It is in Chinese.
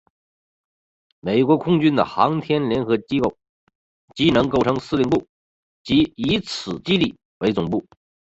美国空军的航天联合机能构成司令部即以此基地为总部。